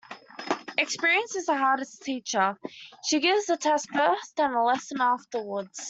Experience is the hardest teacher. She gives the test first and the lesson afterwards.